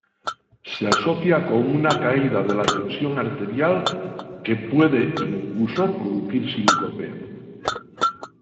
Se asocia con una caída de la tensión arterial, que puede incluso producir síncope.